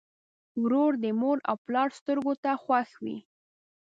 ورور د مور او پلار سترګو ته خوښ وي.